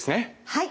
はい。